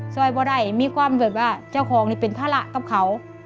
ซอยบ่ได้มีความแบบว่าเจ้าของนี่เป็นภาระกับเขา